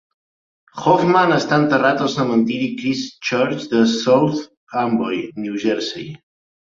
Hoffman està enterrat al cementiri Christ Church de South Amboy, New Jersey.